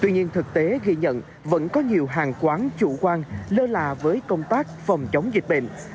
tuy nhiên thực tế ghi nhận vẫn có nhiều hàng quán chủ quan lơ là với công tác phòng chống dịch bệnh